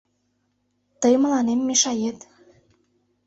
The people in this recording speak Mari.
— Тый мыланем мешает...